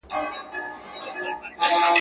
یو په یو مي د مرګي غېږ ته لېږلي.